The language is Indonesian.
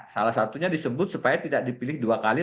salah satunya disebut supaya tidak dipilih dua kali